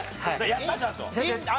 やった？